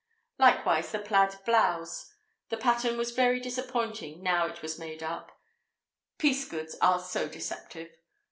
Likewise the plaid blouse; the pattern was very disappointing now it was made up; piece goods are so deceptive.